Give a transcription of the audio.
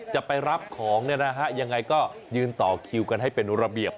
จะไปรับของเนี่ยนะฮะยังไงก็ยืนต่อคิวกันให้เป็นระเบียบ